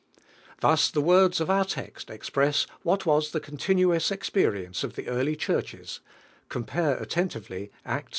Thus the words of our text express what was the continu ous experience of the early Churches (compare attentively Acts iii.